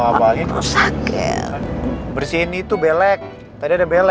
aku masih harus sembunyikan masalah lo andin dari mama